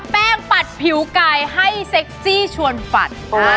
แป้งปัดผิวกายให้เซ็กซี่ชวนฝัด